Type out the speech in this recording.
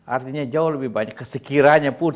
artinya jauh lebih banyak kesekiranya pun